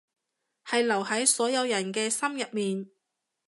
係留喺所有人嘅心入面